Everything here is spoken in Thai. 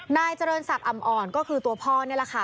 นายเจริญศักดิอ่ำอ่อนก็คือตัวพ่อนี่แหละค่ะ